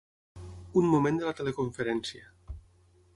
Un moment de la teleconferència.